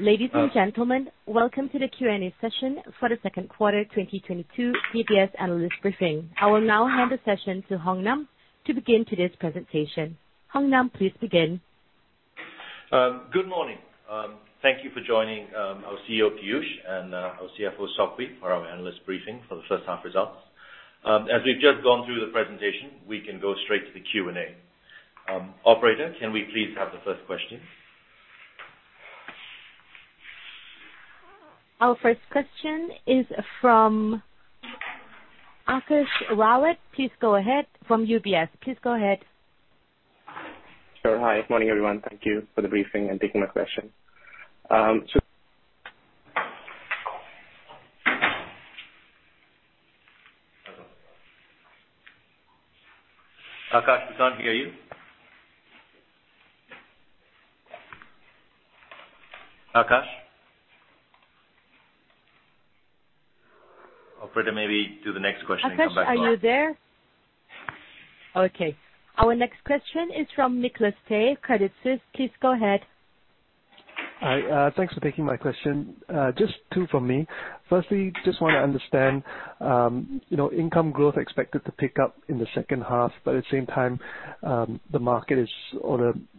Ladies and gentlemen, welcome to the Q&A session for the Second Quarter 2022 DBS analyst briefing. I will now hand the session to Hong Nam to begin today's presentation. Hong Nam, please begin. Good morning. Thank you for joining our CEO, Piyush, and our CFO, Sok Hui, for our analyst briefing for the first half results. As we've just gone through the presentation, we can go straight to the Q&A. Operator, can we please have the first question? Our first question is from Aakash Rawat. Please go ahead. From UBS. Please go ahead. Sure. Hi. Good morning, everyone. Thank you for the briefing and taking my question. Aakash, we can't hear you. Aakash? Operator, maybe do the next question and come back to Aakash. Aakash, are you there? Okay. Our next question is from Nicholas Tay, Credit Suisse. Please go ahead. Hi. Thanks for taking my question. Just two from me. Firstly, just wanna understand, you know, income growth expected to pick up in the second half, but at the same time, the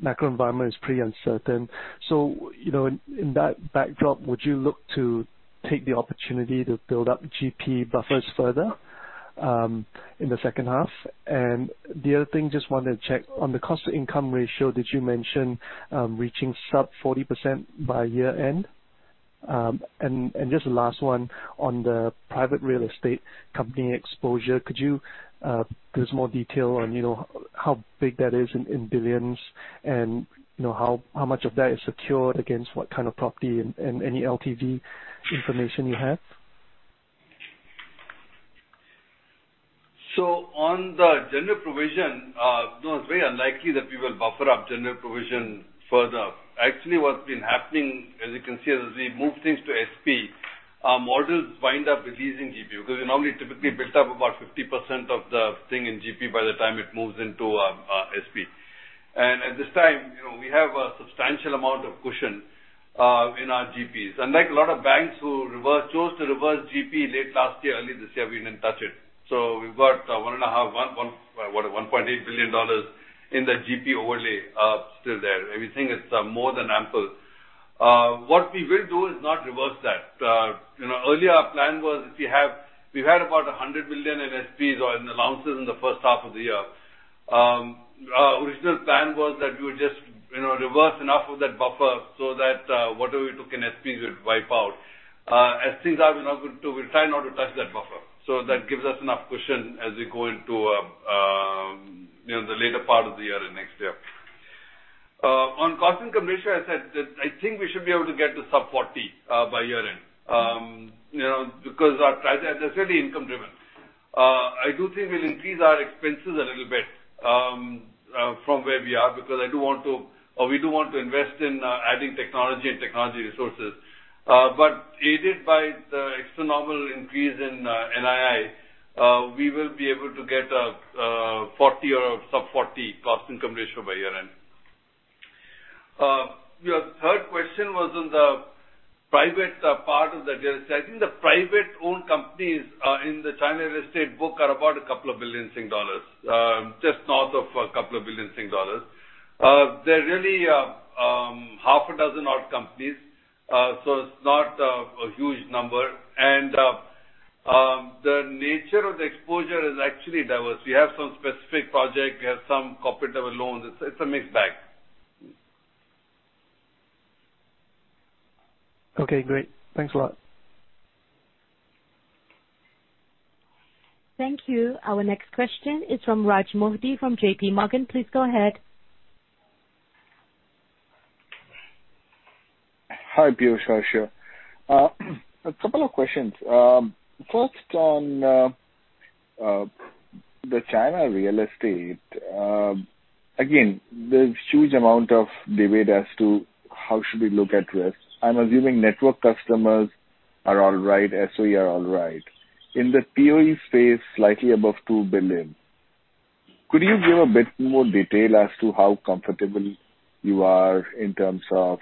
macro environment is pretty uncertain. You know, in that backdrop, would you look to take the opportunity to build up GP buffers further, in the second half? The other thing, just wanted to check on the cost-to-income ratio that you mentioned, reaching sub 40% by year-end. Just the last one, on the private real estate company exposure, could you give us more detail on, you know, how big that is in billions and, you know, how much of that is secured against what kind of property and any LTV information you have? On the general provision, no, it's very unlikely that we will buffer up general provision further. Actually, what's been happening, as you can see, as we move things to SP, our models wind up releasing GP. Because we normally typically build up about 50% of the thing in GP by the time it moves into SP. At this time, you know, we have a substantial amount of cushion in our GPs. Unlike a lot of banks who chose to reverse GP late last year, early this year, we didn't touch it. We've got 1.8 billion dollars in the GP overlay still there. We think it's more than ample. What we will do is not reverse that. Earlier our plan was if we have. We've had about 100 billion in SPs or in allowances in the first half of the year. Our original plan was that we would just, you know, reverse enough of that buffer so that whatever we took in SPs we would wipe out. As things are, we're not going to. We'll try not to touch that buffer. That gives us enough cushion as we go into, you know, the later part of the year and next year. On cost-to-income ratio, I said that I think we should be able to get to sub-40% by year-end. You know, because that's really income driven. I do think we'll increase our expenses a little bit from where we are, because I do want to. We do want to invest in adding technology and technology resources. Aided by the extraordinary increase in NII, we will be able to get a 40 or sub-40 cost income ratio by year-end. Your third question was on the private part of the real estate. I think the privately owned companies in the China real estate book are about 2 billion Sing dollars, just north of 2 billion Sing dollars. They're really half a dozen odd companies, so it's not a huge number. The nature of the exposure is actually diverse. We have some specific project, we have some corporate level loans. It's a mixed bag. Okay, great. Thanks a lot. Thank you. Our next question is from Harsh Modi from JPMorgan. Please go ahead. Hi, Piyush, Harsh Modi here. A couple of questions. First on the China real estate. Again, there's huge amount of debate as to how should we look at risk. I'm assuming net worth customers are all right, SOE are all right. In the POE space, slightly above 2 billion, could you give a bit more detail as to how comfortable you are in terms of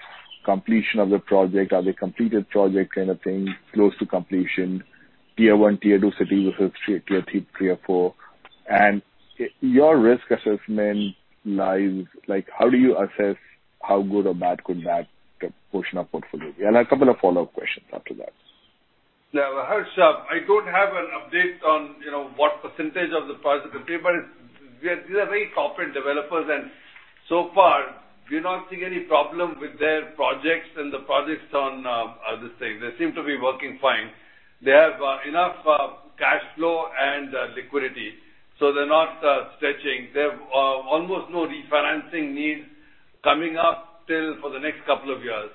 completion of the project? Are they completed project kind of thing, close to completion, tier one, tier two cities versus tier three, tier four? Your risk assessment lies. Like, how do you assess how good or bad could that portion of portfolio be? A couple of follow-up questions after that. Yeah. Harsh, I don't have an update on, you know, what percentage of the project are completed, but it's. These are very corporate developers, and so far we're not seeing any problem with their projects and the projects on this thing. They seem to be working fine. They have enough cash flow and liquidity, so they're not stretching. They have almost no refinancing needs coming up till for the next couple of years.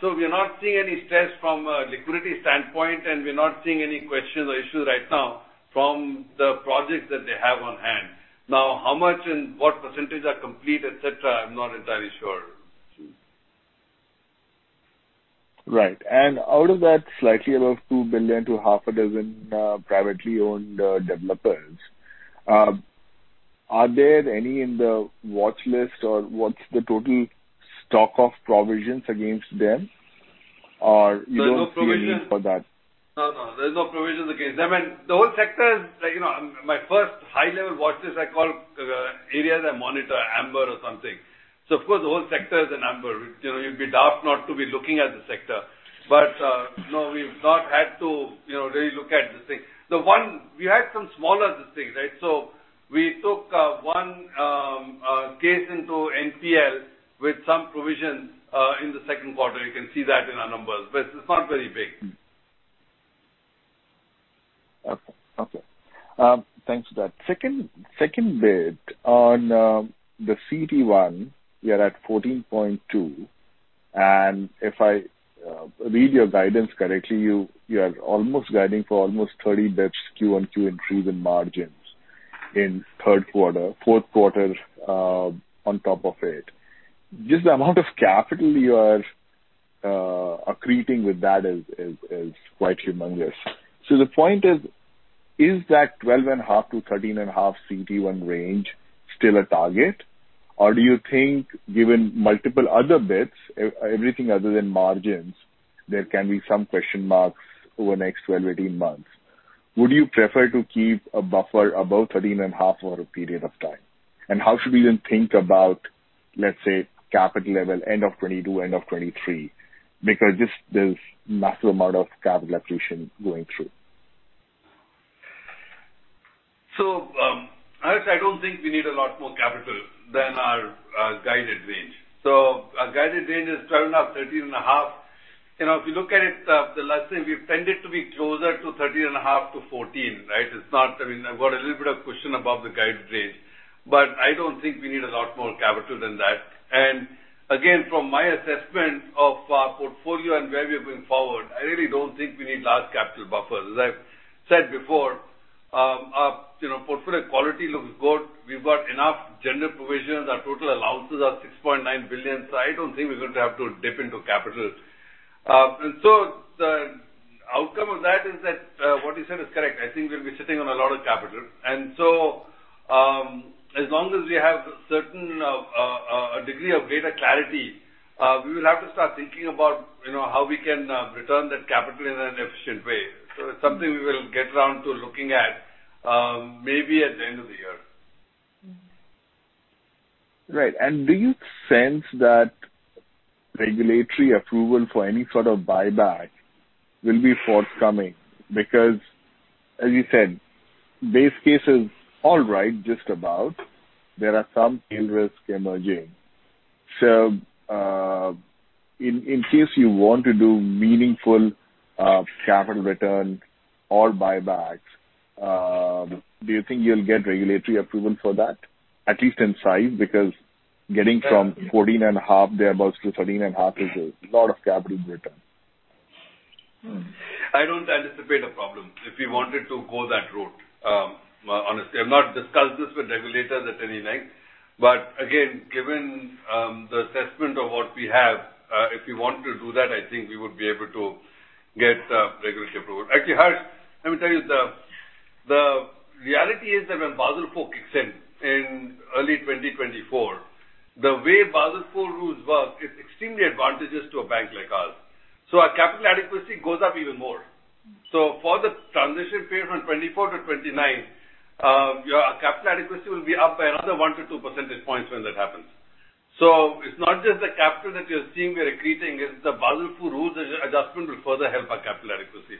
So we're not seeing any stress from a liquidity standpoint, and we're not seeing any questions or issues right now from the projects that they have on hand. Now, how much and what percentage are complete, et cetera, I'm not entirely sure. Right. Out of that slightly above 2 billion to 6 privately owned developers, are there any in the watchlist or what's the total stock of provisions against them? Or you don't see a need for that. No, no. There's no provisions against them. The whole sector is, you know, my first high-level watchlist I call areas I monitor amber or something. Of course, the whole sector is an amber. You know, you'd be daft not to be looking at the sector. No, we've not had to, you know, really look at this thing. We had some smaller this thing, right? We took one case into NPL with some provisions in the second quarter. You can see that in our numbers, but it's not very big. Okay. Thanks for that. Second bit on the CET1, we are at 14.2%, and if I read your guidance correctly, you are almost guiding for almost 30 bps Q-on-Q increase in margins in third quarter, fourth quarter, on top of it. Just the amount of capital you are accreting with that is quite humongous. The point is. Is that 12.5%-13.5% CET1 range still a target? Or do you think given multiple other bits, everything other than margins, there can be some question marks over the next 12, 18 months? Would you prefer to keep a buffer above 13.5% for a period of time? How should we then think about, let's say, capital level end of 2022, end of 2023, because this, there's massive amount of capital accretion going through? Harsh, I don't think we need a lot more capital than our guided range. Our guided range is 12.5%-13.5%. You know, if you look at it, the last thing, we've tended to be closer to 13.5%-14%, right? It's not, I mean, I've got a little bit of cushion above the guided range, but I don't think we need a lot more capital than that. Again, from my assessment of our portfolio and where we're going forward, I really don't think we need large capital buffers. As I've said before, our, you know, portfolio quality looks good. We've got enough general provisions. Our total allowances are 6.9 billion. I don't think we're going to have to dip into capital. The outcome of that is that what you said is correct. I think we'll be sitting on a lot of capital. As long as we have a certain degree of greater clarity, we will have to start thinking about you know how we can return that capital in an efficient way. It's something we will get around to looking at maybe at the end of the year. Right. Do you sense that regulatory approval for any sort of buyback will be forthcoming? Because as you said, base case is all right, just about. There are some tail risks emerging. In case you want to do meaningful capital return or buybacks, do you think you'll get regulatory approval for that, at least in size? Because getting from 14.5% thereabouts to 13.5% is a lot of capital return. I don't anticipate a problem if we wanted to go that route, honestly. I've not discussed this with regulators at any length. Again, given the assessment of what we have, if we want to do that, I think we would be able to get regulatory approval. Actually, Harsh, let me tell you the reality is that when Basel IV kicks in in early 2024, the way Basel IV rules work, it's extremely advantageous to a bank like ours. Our capital adequacy goes up even more. For the transition period from 2024 to 2029, your capital adequacy will be up by another 1-2 percentage points when that happens. It's not just the capital that you're seeing we're accreting, it's the Basel IV rules adjustment will further help our capital adequacy.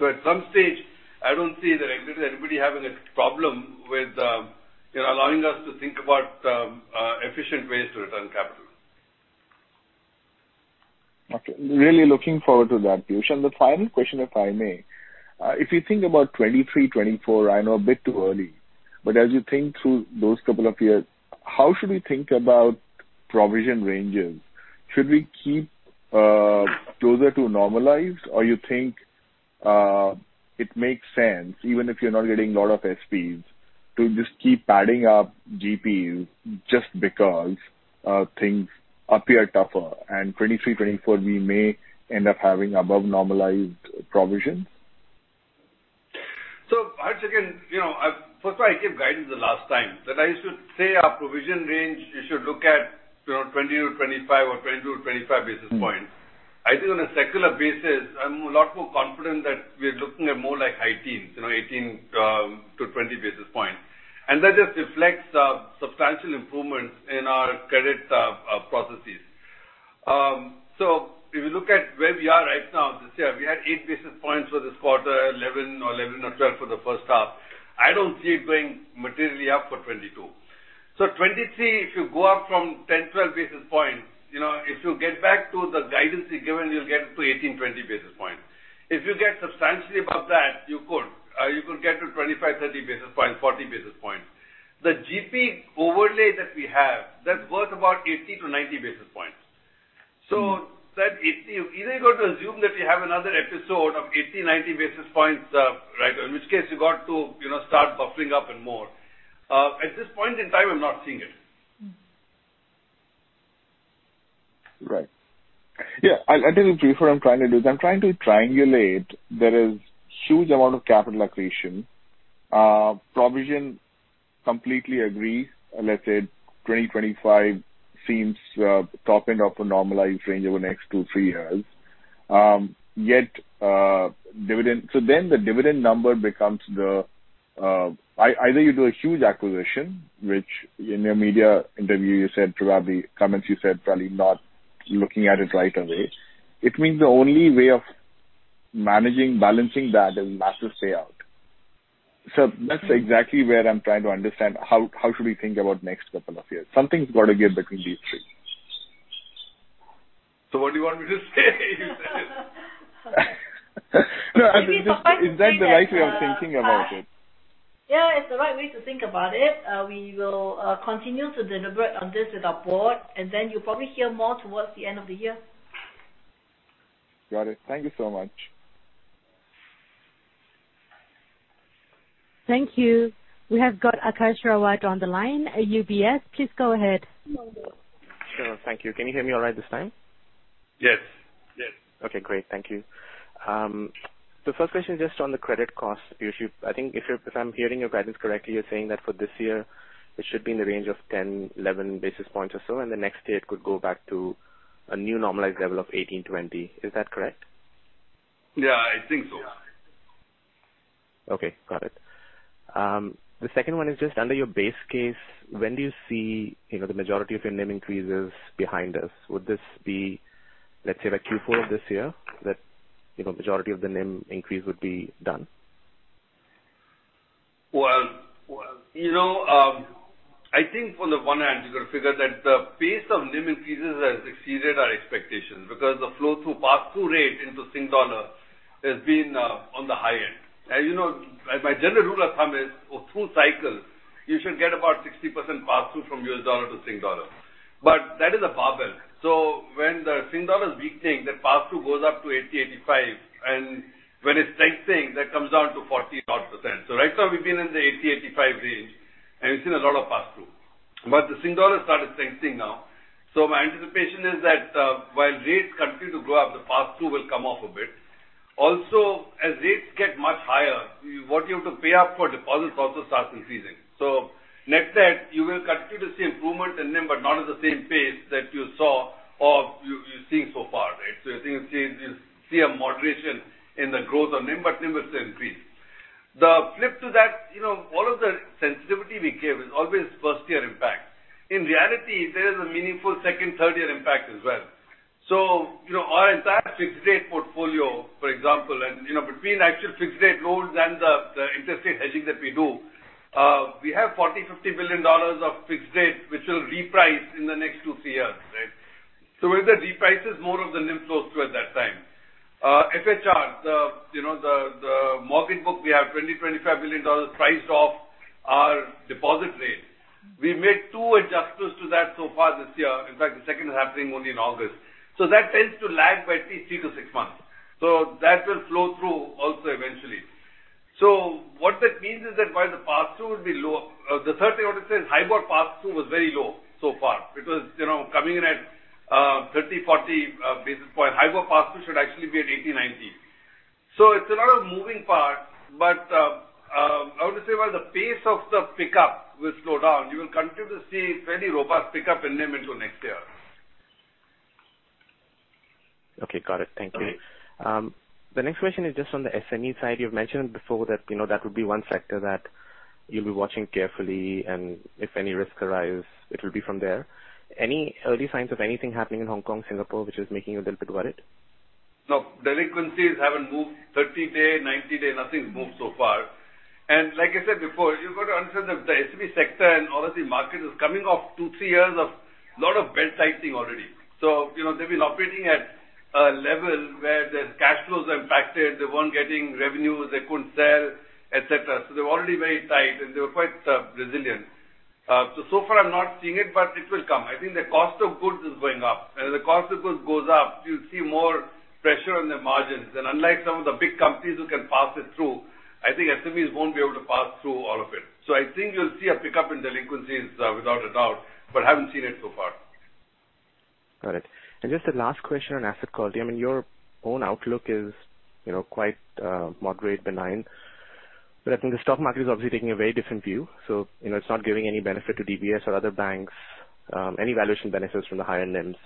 At some stage, I don't see anybody having a problem with, you know, allowing us to think about efficient ways to return capital. Okay. Really looking forward to that, Piyush. The final question, if I may. If you think about 2023, 2024, I know a bit too early, but as you think through those couple of years, how should we think about provision ranges? Should we keep closer to normalized? Or you think it makes sense, even if you're not getting a lot of SPs, to just keep padding up GPs just because things appear tougher and 2023, 2024, we may end up having above normalized provisions? Harsh, again, you know, I've first of all, I gave guidance the last time that I used to say our provision range, you know, 20-25 or 22-25 basis points. I think on a secular basis, I'm a lot more confident that we're looking at more like high teens, you know, 18-20 basis points. That just reflects substantial improvements in our credit processes. If you look at where we are right now this year, we had 8 basis points for this quarter, 11 or 12 for the first half. I don't see it going materially up for 2022. 2023, if you go up from 10-12 basis points, you know, if you get back to the guidance we've given, you'll get to 18-20 basis points. If you get substantially above that, you could get to 25, 30 basis points, 40 basis points. The GP overlay that we have, that's worth about 80-90 basis points. That eighty, either you've got to assume that we have another episode of 80, 90 basis points, right, in which case you got to, you know, start buffering up and more. At this point in time, I'm not seeing it. Right. Yeah, I'll tell you briefly what I'm trying to do, is I'm trying to triangulate. There is huge amount of capital accretion. Provision completely agree. Let's say 2025 seems top end of a normalized range over the next two, three years. Yet, dividend. Then the dividend number becomes the. Either you do a huge acquisition, which in your media interview you said probably, comments you said probably not looking at it right away. It means the only way of managing, balancing that is massive pay-out. That's exactly where I'm trying to understand how we should think about next couple of years. Something's got to give between these three. What do you want me to say? No, I mean, just is that the right way of thinking about it? Yeah, it's the right way to think about it. We will continue to deliberate on this with our board, and then you'll probably hear more towards the end of the year. Got it. Thank you so much. Thank you. We have got Aakash Rawat on the line at UBS. Please go ahead. Sure. Thank you. Can you hear me all right this time? Yes. Yes. Okay, great. Thank you. So first question just on the credit cost issue. I think if I'm hearing your guidance correctly, you're saying that for this year, it should be in the range of 10-11 basis points or so, and the next year it could go back to a new normalized level of 18-20. Is that correct? Yeah, I think so. Okay, got it. The second one is just under your base case, when do you see, you know, the majority of your NIM increases behind us? Would this be, let's say, like Q4 of this year that, you know, majority of the NIM increase would be done? Well, you know, I think on the one hand, you gotta figure that the pace of NIM increases has exceeded our expectations because the flow-through pass-through rate into Sing Dollar has been on the high end. As you know, my general rule of thumb is for two cycles, you should get about 60% pass-through from US dollar to Sing Dollar. That is above it. When the Sing Dollar is weakening, the pass-through goes up to 80-85, and when it's strengthening, that comes down to 40-odd%. Right now we've been in the 80-85 range, and we've seen a lot of pass-through. The Sing Dollar started strengthening now, so my anticipation is that while rates continue to go up, the pass-through will come off a bit. Also, as rates get much higher, what you have to pay up for deposits also starts increasing. Net-net, you will continue to see improvement in NIM, but not at the same pace that you saw or you're seeing so far, right? I think you'll see a moderation in the growth of NIM, but NIM will still increase. The flip to that, you know, all of the sensitivity we give is always first year impact. In reality, there is a meaningful second, third year impact as well. You know, our entire fixed rate portfolio, for example, and you know, between actual fixed rate loans and the interest rate hedging that we do, we have $40 billion-$50 billion of fixed rate, which will reprice in the next 2-3 years, right? With the reprices, more of the NIM flows through at that time. FHR, the mortgage book, we have 25 billion dollars priced off our deposit rate. We made two adjustments to that so far this year. In fact, the second is happening only in August. That tends to lag by at least 3-6 months. That will flow through also eventually. What that means is that while the pass-through will be low, the third thing I would say is HIBOR pass-through was very low so far because, you know, coming in at 30, 40 basis points. HIBOR pass-through should actually be at 80, 90. It's a lot of moving parts, but I would say while the pace of the pickup will slow down, you will continue to see fairly robust pickup in NIM into next year. Okay. Got it. Thank you. Okay. The next question is just on the SME side. You've mentioned before that, you know, that would be one sector that you'll be watching carefully, and if any risk arise, it will be from there. Any early signs of anything happening in Hong Kong, Singapore, which is making you a little bit worried? No. Delinquencies haven't moved. 30-day, 90-day, nothing's moved so far. Like I said before, you've got to understand that the SME sector and obviously market is coming off two, three years of lot of belt-tightening already. You know, they've been operating at a level where their cash flows are impacted, they weren't getting revenue, they couldn't sell, et cetera. They were already very tight, and they were quite resilient. So far I'm not seeing it, but it will come. I think the cost of goods is going up. As the cost of goods goes up, you'll see more pressure on the margins. Unlike some of the big companies who can pass it through, I think SMEs won't be able to pass through all of it. I think you'll see a pickup in delinquencies, without a doubt, but haven't seen it so far. Got it. Just a last question on asset quality. I mean, your own outlook is, you know, quite, moderate, benign, but I think the stock market is obviously taking a very different view. You know, it's not giving any benefit to DBS or other banks, any valuation benefits from the higher NIMs.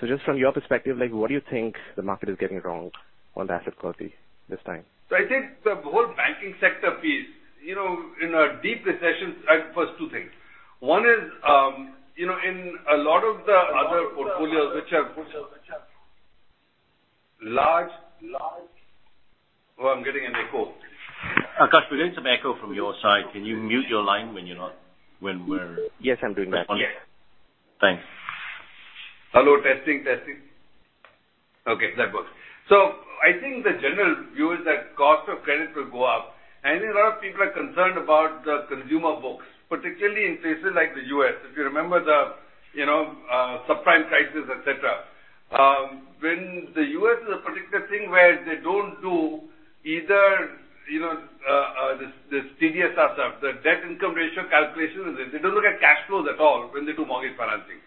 Just from your perspective, like, what do you think the market is getting wrong on the asset quality this time? I think the whole banking sector piece, you know, in a deep recession, first two things. One is, you know, in a lot of the other portfolios which are large. Oh, I'm getting an echo. Aakash, we're getting some echo from your side. Can you mute your line when you're not. Yes, I'm doing that. Thanks. Hello. Testing, testing. Okay, that works. I think the general view is that cost of credit will go up. I think a lot of people are concerned about the consumer books, particularly in places like the U.S., if you remember the, you know, subprime crisis, et cetera. When the U.S. is a particular thing where they don't do either, you know, this TDSR stuff, the debt-to-income ratio calculation. They don't look at cash flows at all when they do mortgage financing.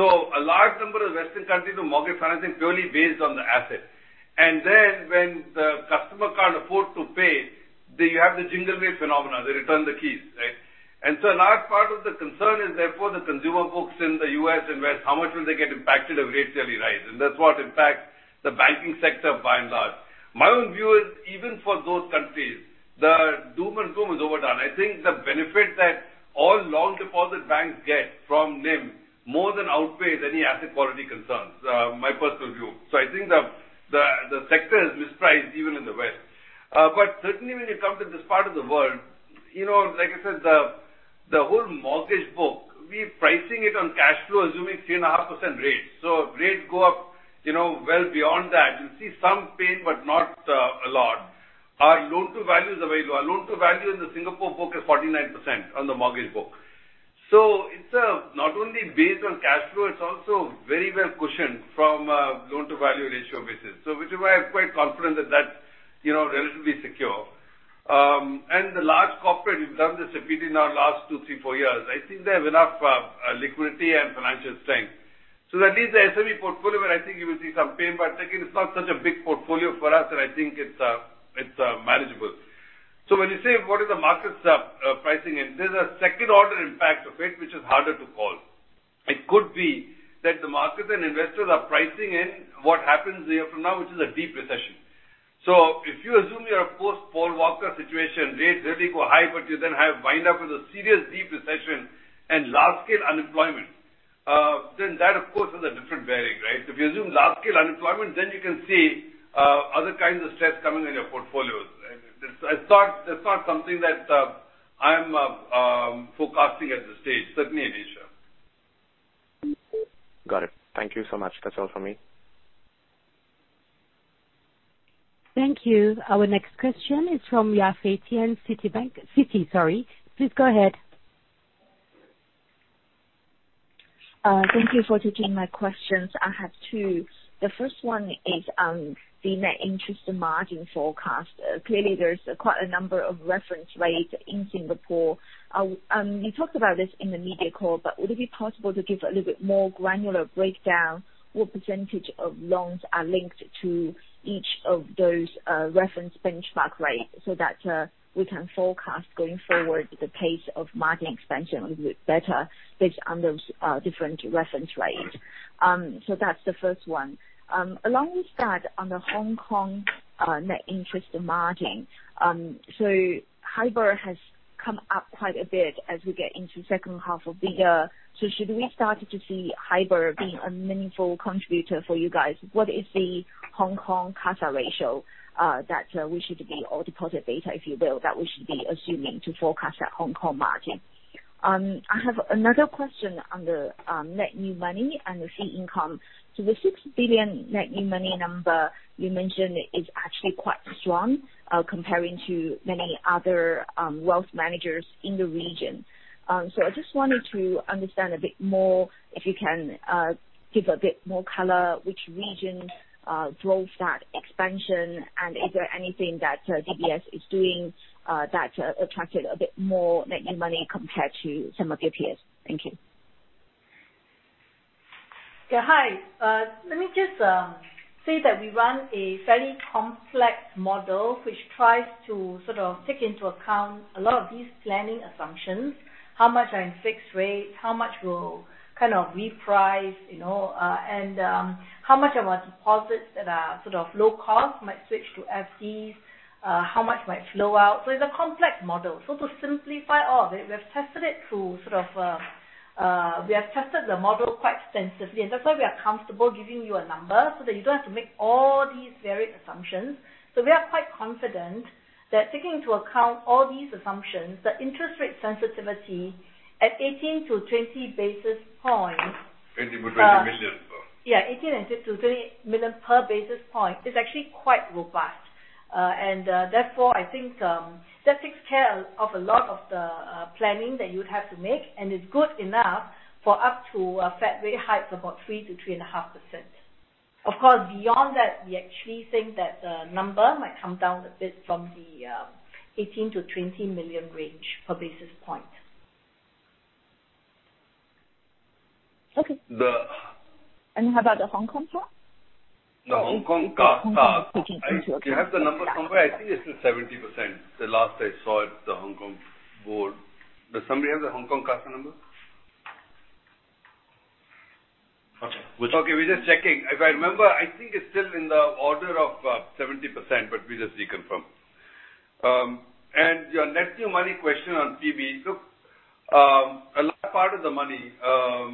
A large number of Western countries do mortgage financing purely based on the asset. Then when the customer can't afford to pay, they have the Jingle Mail phenomenon. They return the keys, right? A large part of the concern is therefore the consumer books in the U.S. and where, how much will they get impacted if rates really rise? That's what impacts the banking sector by and large. My own view is even for those countries, the doom and gloom is overdone. I think the benefit that all long deposit banks get from NIM more than outweighs any asset quality concerns. I think the sector is mispriced even in the West. But certainly when you come to this part of the world, you know, like I said, the whole mortgage book, we're pricing it on cash flow, assuming 3.5% rate. If rates go up, you know, well beyond that, you'll see some pain but not a lot. Our loan to value is very low. Our loan to value in the Singapore book is 49% on the mortgage book. It's not only based on cash flow, it's also very well cushioned from loan to value ratio basis. Which is why I'm quite confident that that's, you know, relatively secure. The large corporate, we've done this repeatedly in the last two, three, four years. I think they have enough liquidity and financial strength. That leaves the SME portfolio where I think you will see some pain. Second, it's not such a big portfolio for us, and I think it's manageable. When you say what is the market's pricing in, there's a second order impact of it, which is harder to call. It could be that the markets and investors are pricing in what happens here from now, which is a deep recession. If you assume you're of course Paul Volcker situation, rates really go high, but you then have wind up with a serious deep recession and large scale unemployment, then that of course is a different bearing, right? If you assume large scale unemployment, then you can see other kinds of stress coming in your portfolios. That's not something that I'm forecasting at this stage. Certainly an issue. Got it. Thank you so much. That's all for me. Thank you. Our next question is from Yafei Tian, Citi sorry. Please go ahead. Thank you for taking my questions. I have two. The first one is on the net interest margin forecast. Clearly there's quite a number of reference rates in Singapore. You talked about this in the media call, but would it be possible to give a little bit more granular breakdown what percentage of loans are linked to each of those reference benchmark rates so that we can forecast going forward the pace of margin expansion a little bit better based on those different reference rates? So that's the first one. Along with that, on the Hong Kong net interest margin, so HIBOR has come up quite a bit as we get into second half of the year. So should we start to see HIBOR being a meaningful contributor for you guys? What is the Hong Kong CASA ratio that we should be or deposit beta, if you will, that we should be assuming to forecast that Hong Kong margin? I have another question on the net new money and the fee income. The 6 billion net new money number you mentioned is actually quite strong, compared to many other wealth managers in the region. I just wanted to understand a bit more, if you can, give a bit more color which region drove that expansion and is there anything that DBS is doing that attracted a bit more net new money compared to some of your peers? Thank you. Yeah. Hi. Let me just say that we run a fairly complex model which tries to sort of take into account a lot of these planning assumptions. How much are in fixed rate, how much will kind of reprice, you know, and how much of our deposits that are sort of low cost might switch to FDs, how much might flow out. It's a complex model. To simplify all of it, we have tested the model quite extensively and that's why we are comfortable giving you a number so that you don't have to make all these varied assumptions. We are quite confident that taking into account all these assumptions, the interest rate sensitivity at 18-20 basis points. 20 million, sorry. Yeah. 18-20 million per basis point is actually quite robust. Therefore I think that takes care of a lot of the planning that you would have to make. It's good enough for up to a Fed rate hike of about 3-3.5%. Of course, beyond that, we actually think that the number might come down a bit from the 18-20 million range per basis point. Okay. The- How about the Hong Kong part? The Hong Kong CASA. Okay. Do you have the number somewhere? I think it's still 70% the last I saw it, the Hong Kong board. Does somebody have the Hong Kong CASA number? Okay. We're just checking. If I remember, I think it's still in the order of 70%, but we'll just reconfirm. And your net new money question on T&M. Look, a large part of the money,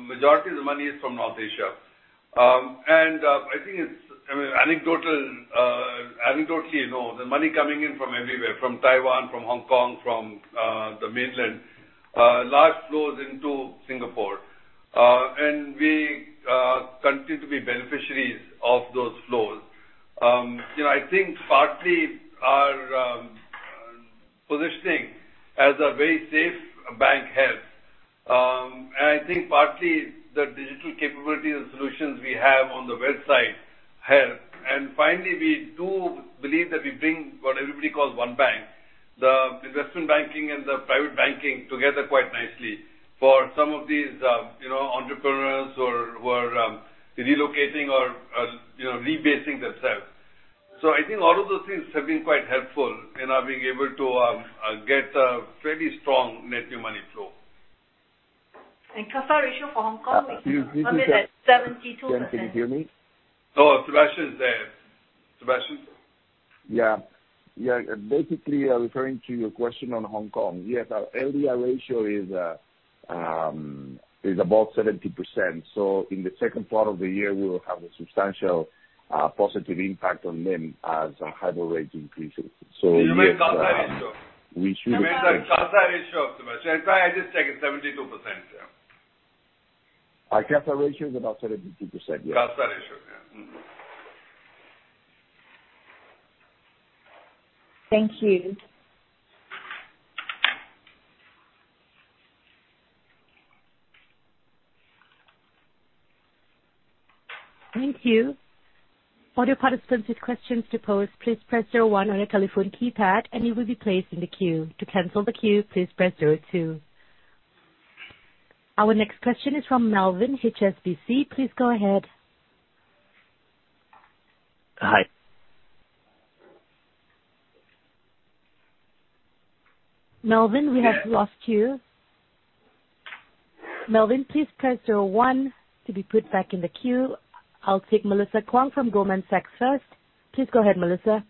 majority of the money is from North Asia. And I think it's, I mean, anecdotally, you know, the money coming in from everywhere. From Taiwan, from Hong Kong, from the Mainland, large flows into Singapore. And we continue to be beneficiaries of those flows. You know, I think partly our positioning as a very safe bank helps. I think partly the digital capabilities and solutions we have on the website help. Finally, we do believe that we bring what everybody calls one bank, the investment banking and the private banking together quite nicely for some of these, you know, entrepreneurs who are relocating or, you know, rebasing themselves. I think all of those things have been quite helpful in our being able to get a fairly strong net new money flow. Cost ratio for Hong Kong 72%. Can you hear me? Oh, Sebastian's there. Sebastian? Yeah. Basically, referring to your question on Hong Kong. Yes, our LDR ratio is above 70%. In the second part of the year we will have a substantial positive impact on NIM as our HIBOR increases. Yes, we should- You mean cost ratio. We should- You mean the cost ratio, Sebastian. I just take it 72%. Yeah. Our cost ratio is about 72%. Yeah. Cost ratio. Yeah. Thank you. Thank you. All participants with questions to pose, please press zero one on your telephone keypad and you will be placed in the queue. To cancel the queue, please press zero two. Our next question is from Melvin, HSBC. Please go ahead. Hi. Melvin, we have lost you. Melvin, please press zero one to be put back in the queue. I'll take Melissa Kuang from Goldman Sachs first. Please go ahead, Melissa.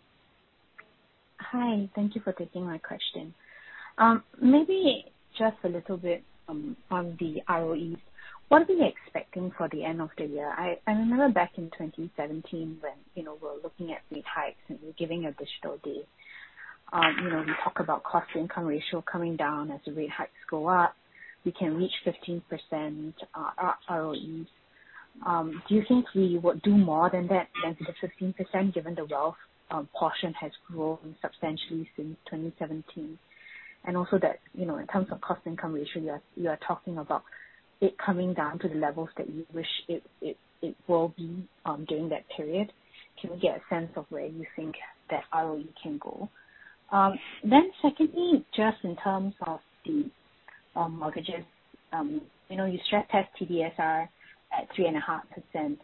Hi. Thank you for taking my question. Maybe just a little bit on the ROEs. What are we expecting for the end of the year? I remember back in 2017 when, you know, we're looking at rate hikes and we're giving guidance. You know, we talk about cost-to-income ratio coming down as the rate hikes go up. We can reach 15% ROEs. Do you think we would do more than that, than the 15% given the wealth portion has grown substantially since 2017? Also that, you know, in terms of cost-to-income ratio, you're talking about it coming down to the levels that you wish it will be during that period. Can we get a sense of where you think that ROE can go? Secondly, just in terms of the mortgages, you know, you stress test TDSR at 3.5%.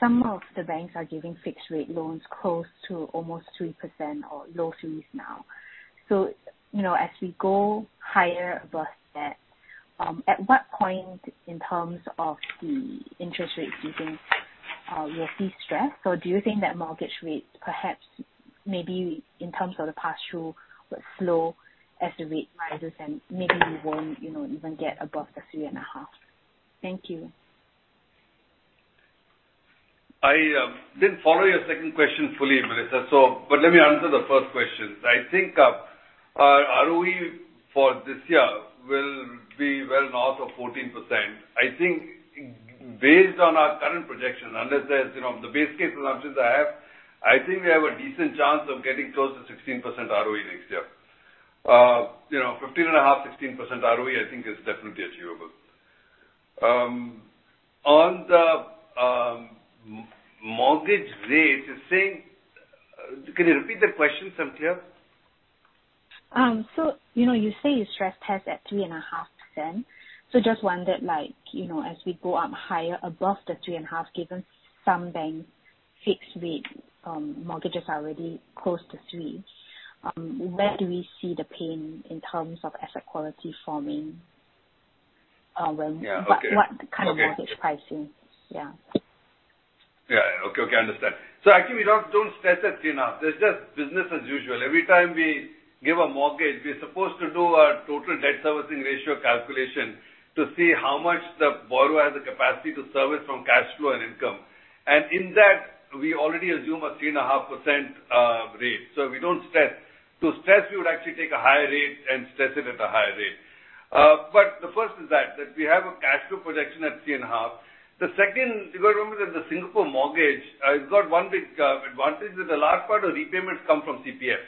Some of the banks are giving fixed rate loans close to almost 3% or low threes now. You know, as we go higher above that, at what point in terms of the interest rates do you think we'll see stress? Or do you think that mortgage rates perhaps maybe in terms of the pass-through will slow as the rate rises and maybe we won't, you know, even get above the 3.5? Thank you. I didn't follow your second question fully, Melissa. But let me answer the first question. I think our ROE for this year will be well north of 14%. I think based on our current projection, unless there's, you know, the base case assumptions I have, I think we have a decent chance of getting close to 16% ROE next year. You know, 15.5%-16% ROE, I think is definitely achievable. On the mortgage rates, it's saying. Can you repeat the question from here? You know, you say you stress test at 3.5%. Just wondered, like, you know, as we go up higher above the 3.5%, given some banks' fixed rate mortgages are already close to 3%, where do we see the pain in terms of asset quality forming? Yeah. Okay. What kind of mortgage pricing? Yeah. Yeah. Okay. Okay. Understand. Actually, we don't stress at 3.5. There's just business as usual. Every time we give a mortgage, we're supposed to do a Total Debt Servicing Ratio calculation to see how much the borrower has the capacity to service from cash flow and income. In that, we already assume a 3.5% rate. We don't stress. To stress, we would actually take a higher rate and stress it at a higher rate. The first is that we have a cash flow projection at 3.5. The second, you got to remember that the Singapore mortgage, it's got one big advantage that a large part of repayments come from CPF.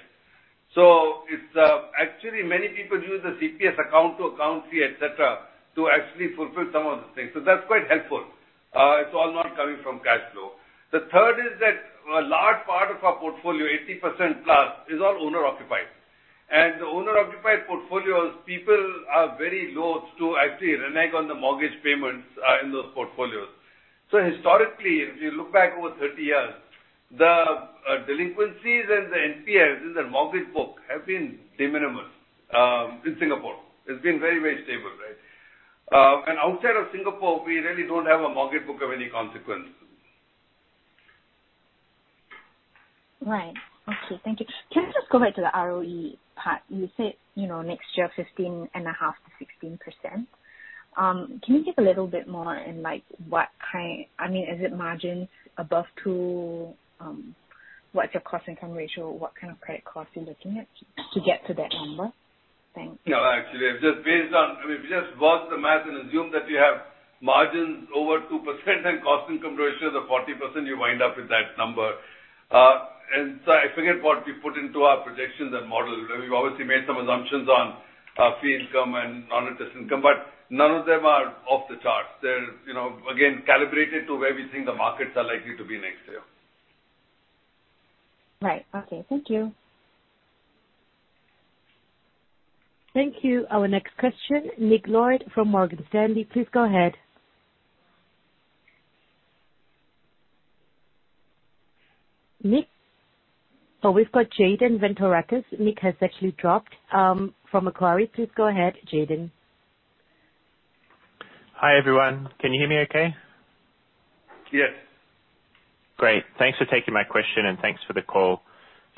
It's actually many people use the CPF account to account free, etc. To actually fulfill some of the things. That's quite helpful. It's all not coming from cash flow. The third is that a large part of our portfolio, 80% plus, is all owner-occupied. The owner-occupied portfolios, people are very loath to actually renege on the mortgage payments in those portfolios. Historically, if you look back over 30 years, the delinquencies and the NPLs in the mortgage book have been de minimis in Singapore. It's been very, very stable, right? Outside of Singapore, we really don't have a mortgage book of any consequence. Right. Okay. Thank you. Can I just go back to the ROE part? You said, you know, next year, 15.5%-16%. Can you give a little bit more in, like, I mean, is it margins above two? What's your cost-to-income ratio? What kind of credit cost are you looking at to get to that number? No, actually, it's just based on, I mean, if you just watch the math and assume that you have margins over 2% and cost-to-income ratio of 40%, you wind up with that number. I forget what we put into our projections and models. We've obviously made some assumptions on fee income and non-interest income, but none of them are off the charts. They're, you know, again, calibrated to where we think the markets are likely to be next year. Right. Okay. Thank you. Thank you. Our next question, Nick Lord from Morgan Stanley. Please go ahead. Nick? Oh, we've got Jayden Vantarakis. Nick has actually dropped. From Macquarie. Please go ahead, Jayden. Hi, everyone. Can you hear me okay? Yes. Great. Thanks for taking my question, and thanks for the call.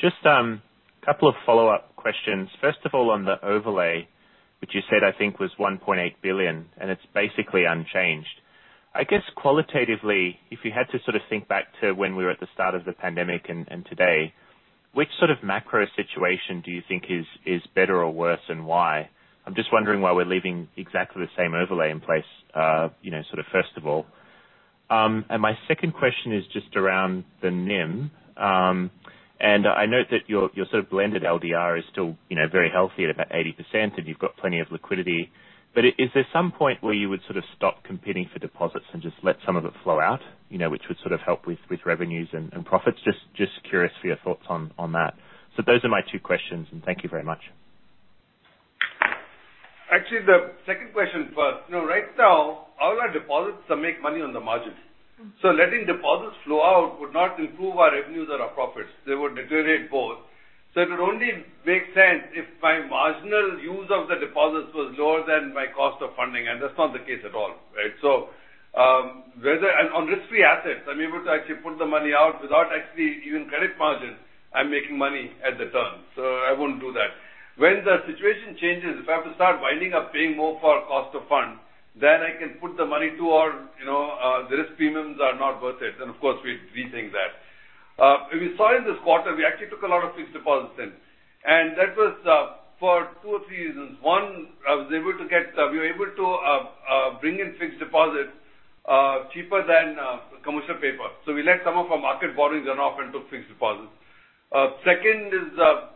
Just a couple of follow-up questions. First of all, on the overlay, which you said I think was 1.8 billion, and it's basically unchanged. I guess qualitatively, if you had to sort of think back to when we were at the start of the pandemic and today, which sort of macro situation do you think is better or worse and why? I'm just wondering why we're leaving exactly the same overlay in place, you know, sort of first of all. My second question is just around the NIM. I note that your sort of blended LDR is still, you know, very healthy at about 80% and you've got plenty of liquidity. Is there some point where you would sort of stop competing for deposits and just let some of it flow out, you know, which would sort of help with revenues and profits? Just curious for your thoughts on that. Those are my two questions, and thank you very much. Actually, the second question first. You know, right now, all our deposits make money on the margins. Letting deposits flow out would not improve our revenues or our profits. They would deteriorate both. It would only make sense if my marginal use of the deposits was lower than my cost of funding, and that's not the case at all, right? On risk-free assets, I'm able to actually put the money out without actually even credit margins. I'm making money at the term, so I wouldn't do that. When the situation changes, if I have to start ending up paying more for our cost of funds, then I can put the money to work, you know, the risk premiums are not worth it, then of course, we'd rethink that. If you saw in this quarter, we actually took a lot of fixed deposits in. That was for two or three reasons. One, we were able to bring in fixed deposits cheaper than commercial paper. We let some of our market borrowings run off into fixed deposits. Second,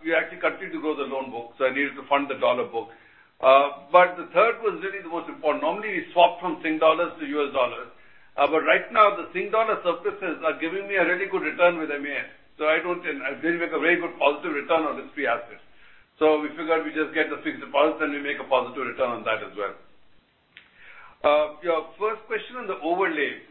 we actually continued to grow the loan book, so I needed to fund the dollar book. The third was really the most important. Normally, we swap from Singapore dollars to U.S. dollars. Right now, the Singapore dollar surpluses are giving me a really good return with MAS. I don't think I really make a very good positive return on risk-free assets. We figured we'd just get the fixed deposit, and we make a positive return on that as well. Your first question on the overlay.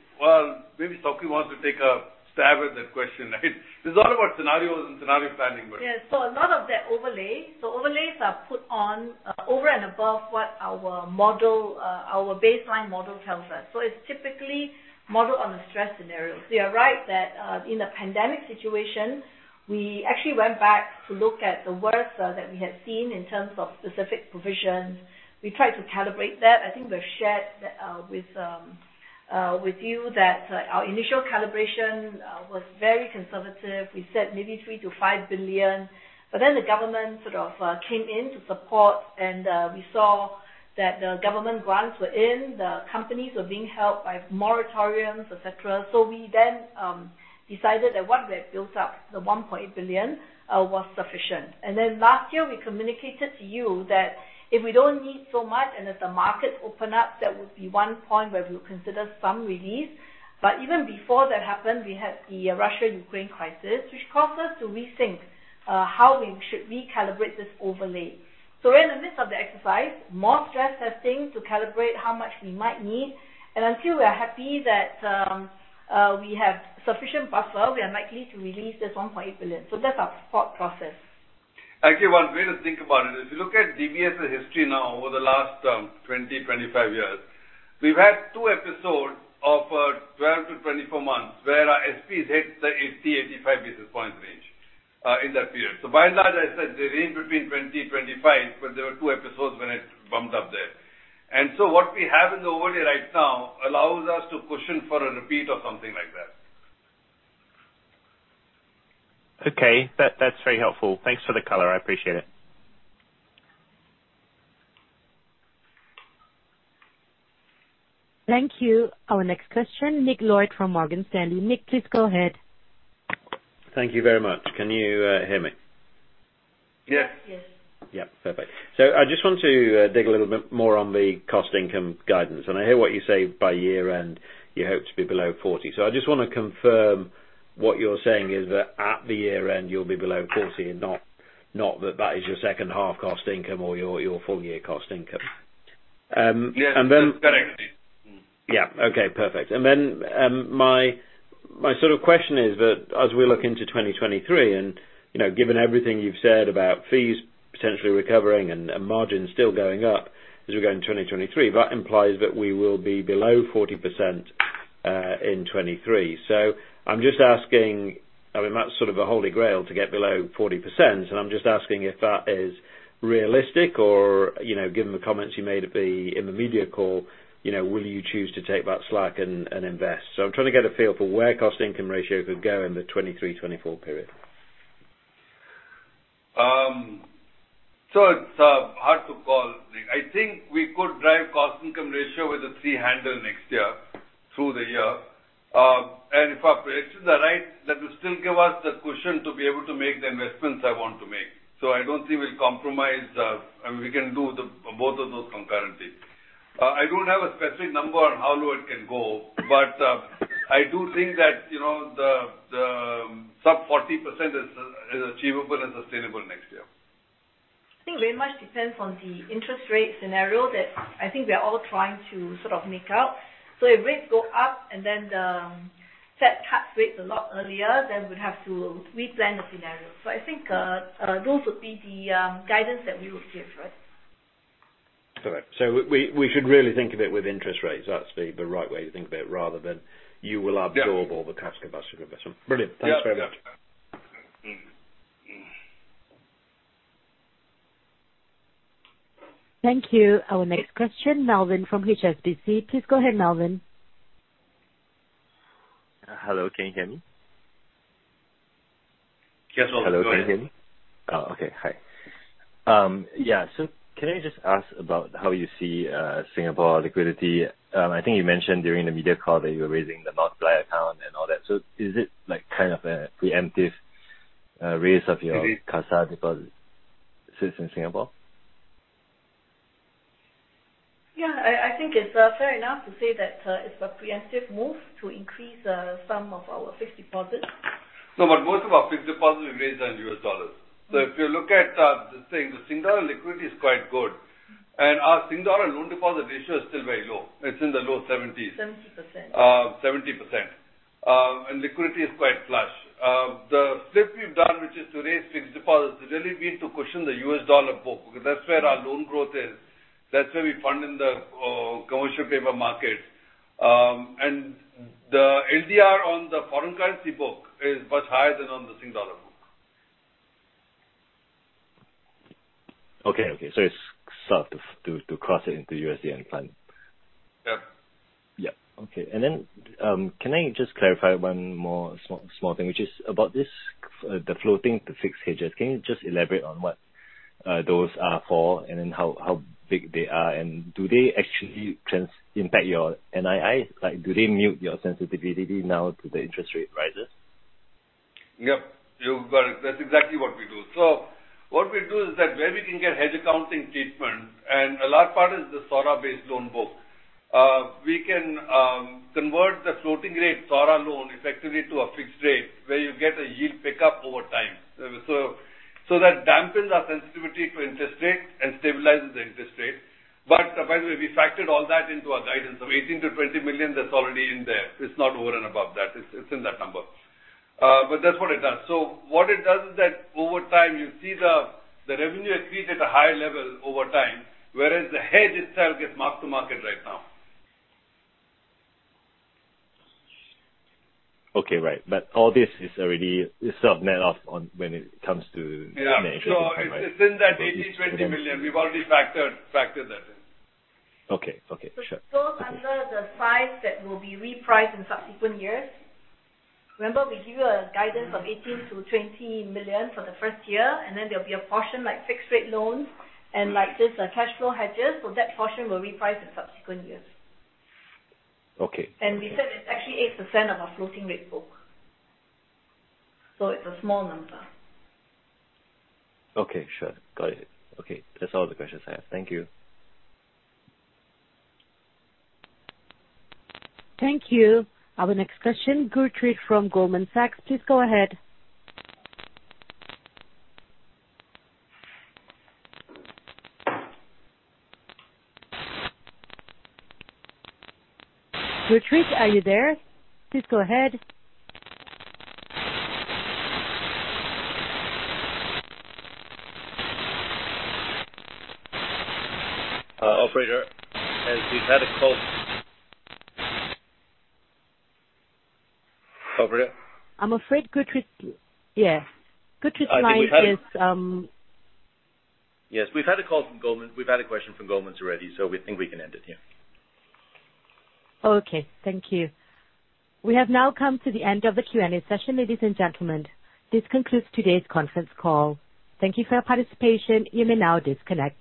Maybe Sok Hee wants to take a stab at that question, right? It's a lot about scenarios and scenario planning, but. Yes. A lot of that overlay. Overlays are put on over and above what our model our baseline model tells us. It's typically modeled on a stress scenario. You're right that in a pandemic situation, we actually went back to look at the worst that we had seen in terms of specific provisions. We tried to calibrate that. I think we've shared that with you that our initial calibration was very conservative. We said maybe 3 billion-5 billion. The government sort of came in to support and we saw that the government grants were in, the companies were being helped by moratoriums, et cetera. We then decided that what we had built up, the 1.8 billion, was sufficient. Last year, we communicated to you that if we don't need so much, and if the markets open up, that would be one point where we would consider some release. Even before that happened, we had the Russia-Ukraine crisis, which caused us to rethink how we should recalibrate this overlay. We're in the midst of the exercise, more stress testing to calibrate how much we might need. Until we are happy that we have sufficient buffer, we are likely to release this 1.8 billion. That's our thought process. Actually, one way to think about it, if you look at DBS's history now over the last 20-25 years, we've had two episodes of 12-24 months where our SPs hit the 80-85 basis points range in that period. By and large, as I said, they range between 20-25, but there were two episodes when it bumped up there. What we have in the overlay right now allows us to cushion for a repeat of something like that. Okay. That, that's very helpful. Thanks for the color. I appreciate it. Thank you. Our next question, Nick Lord from Morgan Stanley. Nick, please go ahead. Thank you very much. Can you hear me? Yes. Yes. Yeah, perfect. I just want to dig a little bit more on the cost income guidance. I hear what you say by year-end, you hope to be below 40%. I just wanna confirm what you're saying is that at the year-end, you'll be below 40% and not that that is your second half cost income or your full year cost income. Yes, that's correct. Yeah. Okay, perfect. Then, my sort of question is that as we look into 2023 and, you know, given everything you've said about fees potentially recovering and margins still going up as we go in 2023, that implies that we will be below 40% in 2023. I'm just asking, I mean, that's sort of a holy grail to get below 40%. I'm just asking if that is realistic or, you know, given the comments you made in the media call, you know, will you choose to take that slack and invest? I'm trying to get a feel for where cost-to-income ratio could go in the 2023-2024 period. It's hard to call. I think we could drive cost-to-income ratio with a three handle next year through the year. If our predictions are right, that will still give us the cushion to be able to make the investments I want to make. I don't think we'll compromise. We can do both of those concurrently. I don't have a specific number on how low it can go, but I do think that, you know, the sub-40% is achievable and sustainable next year. I think very much depends on the interest rate scenario that I think we are all trying to sort of make out. If rates go up and then the Fed cuts rates a lot earlier, then we'd have to replan the scenario. I think those would be the guidance that we would give, right? All right. We should really think of it with interest rates. That's the right way to think of it, rather than you will absorb. Yeah. All the cash flow best investment. Brilliant. Thanks very much. Yeah. Yeah. Thank you. Our next question, Melvin from HSBC. Please go ahead, Melvin. Hello, can you hear me? Yes. Hello. Go ahead. Hello. Can you hear me? Oh, okay. Hi. Yeah, so can I just ask about how you see Singapore liquidity? I think you mentioned during the media call that you were raising the Multiplier account and all that. Is it like kind of a preemptive raise of your- It is. Cash deposit sits in Singapore? Yeah, I think it's fair enough to say that it's a preemptive move to increase some of our fixed deposits. No, but most of our fixed deposits we raised are in U.S. Dollars. If you look at the thing, the Singapore liquidity is quite good and our Singapore loan deposit ratio is still very low. It's in the low 70s%. 70%. 70%. Liquidity is quite flush. The flip we've done, which is to raise fixed deposits, really we need to cushion the U.S. dollar book because that's where our loan growth is. That's where we fund in the commercial paper market. The LDR on the foreign currency book is much higher than on the Singapore dollar book. Okay. It's starting to cross into USD and fund. Yeah. Okay. Can I just clarify one more small thing, which is about this, the floating to fixed hedges. Can you just elaborate on what those are for and then how big they are? And do they actually impact your NII? Like, do they mute your sensitivity now to the interest rate rises? Yep, you've got it. That's exactly what we do. What we do is that where we can get hedge accounting treatment, and a large part is the SORA-based loan book, we can convert the floating rate SORA loan effectively to a fixed rate where you get a yield pickup over time. That dampens our sensitivity to interest rates and stabilizes the interest rate. By the way, we factored all that into our guidance of 18 million-20 million. That's already in there. It's not over and above that. It's in that number. That's what it does. What it does is that over time you see the revenue accreted at a higher level over time, whereas the hedge itself gets mark to market right now. Okay. Right. All this is already, it's sort of net off on when it comes to. Yeah. management, right? It's in that 80 million-20 million. We've already factored that in. Okay. Sure. Those under the size that will be repriced in subsequent years. Remember we give you a guidance of 18 million-20 million for the first year, and then there'll be a portion like fixed rate loans and like just cash flow hedges. That portion will reprice in subsequent years. Okay. We said it's actually 8% of our floating rate book. It's a small number. Okay. Sure. Got it. Okay. That's all the questions I have. Thank you. Thank you. Our next question, Gurpreet from Goldman Sachs. Please go ahead. Gurpreet, are you there? Please go ahead. Operator, as we've had a call. Operator? I'm afraid Gurpreet. Yeah. Gurpreet line is, I think we had a- Yes, we've had a call from Goldman. We've had a question from Goldman's already, so we think we can end it here. Okay. Thank you. We have now come to the end of the Q&A session, ladies and gentlemen. This concludes today's conference call. Thank you for your participation. You may now disconnect.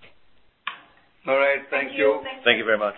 All right. Thank you. Thank you. Bye-bye. Thank you very much.